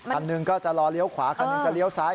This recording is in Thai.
คันหนึ่งก็จะรอเลี้ยวขวาคันหนึ่งจะเลี้ยวซ้าย